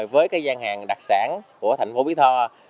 với gian hàng đặc sản của thành phố bí thư